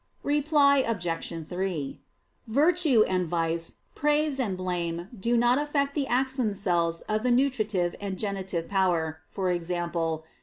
Reply Obj. 3: Virtue and vice, praise and blame do not affect the acts themselves of the nutritive and generative power, i.e.